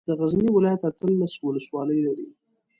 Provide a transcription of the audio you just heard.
د غزني ولايت اتلس ولسوالۍ لري.